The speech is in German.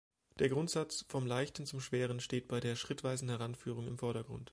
Der Grundsatz „Vom Leichten zum Schweren“ steht bei der schrittweisen Heranführung im Vordergrund.